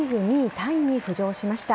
タイに浮上しました。